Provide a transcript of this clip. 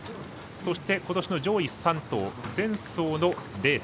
そして、ことしの上位３頭前走のレース。